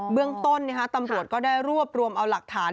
เบื้องต้นตำรวจก็ได้รวบรวมเอาหลักฐาน